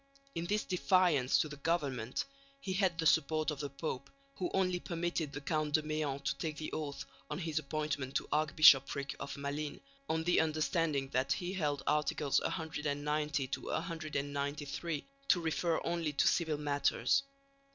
In this defiance to the government he had the support of the Pope, who only permitted the Count de Méan to take the oath on his appointment to the Archbishopric of Malines on the understanding that he held Articles CXC CXCIII to refer only to civil matters.